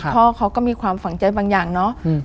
พ่อเขาก็มีความฝังใจบางอย่างเนาะ